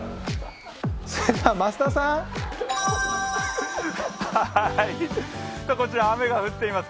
それでは増田さん。こちら雨が降っています。